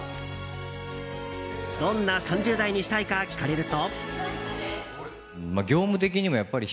どんな３０代にしたいか聞かれると。